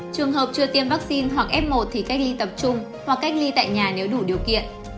trường hợp chưa tiêm vaccine hoặc f một thì cách ly tập trung hoặc cách ly tại nhà nếu đủ điều kiện